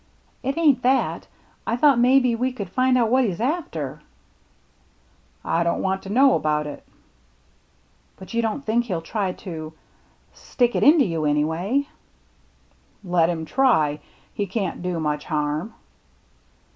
" It ain't that — I thought maybe we could find out what he's after." " I don't want to know about it." BURNT COVE 139 " But you don't think he'll try to — stick it into you anyway ?"" Let him try. He can't do much harm."